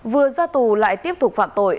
vừa ra tù lại tiếp tục phạm tội